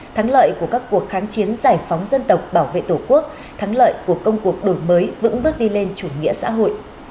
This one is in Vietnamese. thắng lợi của các cuộc kháng chiến giải phóng dân tộc bảo vệ tổ quốc thắng lợi của công cuộc đổi mới vững bước đi lên chủ nghĩa xã hội